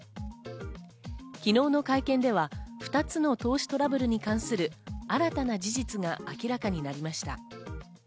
昨日の会見では、２つの投資トラブルに関する新たな事実が明らかになりました。